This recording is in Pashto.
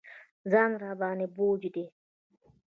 ځان راباندې بوج دی.